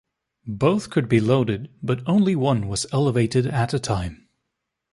Both could be loaded, but only one was elevated at a time.